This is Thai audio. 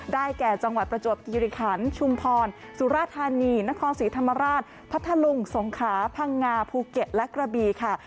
แก่จังหวัดประจวบกิริขันชุมพรสุราธานีนครศรีธรรมราชพัทธลุงสงขาพังงาภูเก็ตและกระบีค่ะ